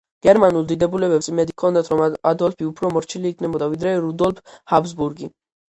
გერმანელ დიდებულებს იმედი ჰქონდათ რომ ადოლფი უფრო მორჩილი იქნებოდა ვიდრე რუდოლფ ჰაბსბურგი.